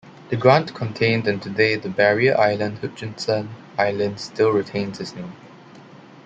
The grant contained and today the barrier island Hutchinson Island still retains his name.